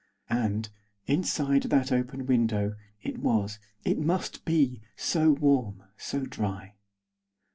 And, inside that open window, it was, it must be, so warm, so dry!